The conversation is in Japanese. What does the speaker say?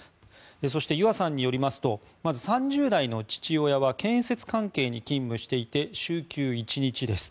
そして、ゆあさんによりますとまず３０代の父親は建設関係に勤務していて週休１日です。